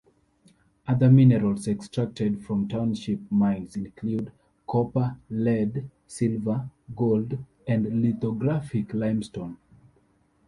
Other minerals extracted from township mines include copper, lead, silver, gold and lithographic limestone.